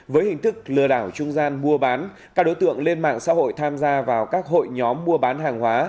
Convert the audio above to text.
với hình thức lừa đảo trung gian mua bán các đối tượng lên mạng xã hội tham gia vào các hội nhóm mua bán hàng hóa